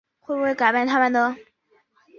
会不会改变他们呢？